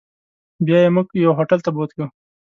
بیا یې موږ یو هوټل ته بوتلو.